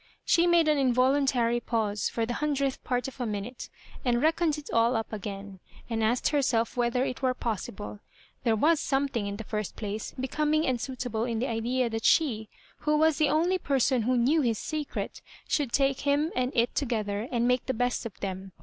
She made an involuntary pause for the hundredth part of a minute, and reckoned it all up again, and asked herself whether it were pos sible. There was something, in the first place, becoming and suitable in the idea that she, who was the only person who knew his secret, should take him and it together and make the best of them.